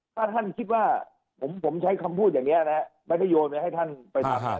ถ้าท่านคิดว่าผมใช้คำพูดอย่างเนี่ยนะไม่ก็โยนไว้ให้ท่านไปสมัคร